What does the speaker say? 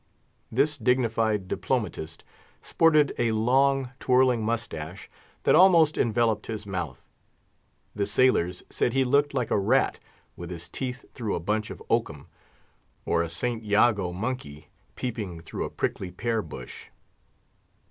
This dignified diplomatist sported a long, twirling mustache, that almost enveloped his mouth. The sailors said he looked like a rat with his teeth through a bunch of oakum, or a St. Jago monkey peeping through a prickly pear bush.